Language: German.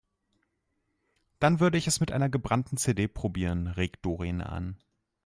Dann würde ich es mit einer gebrannten CD probieren, regt Doreen an.